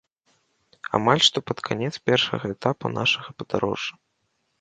Амаль што пад канец першага этапу нашага падарожжа.